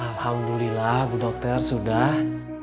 alhamdulillah bu dokter sudah